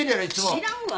知らんわ。